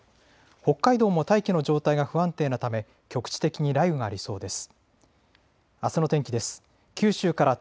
北海道も大気の状態が不安定なため局地的に雷雨がありそうです。